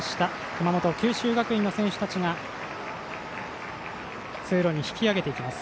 熊本、九州学院の選手たちが通路に引き揚げていきます。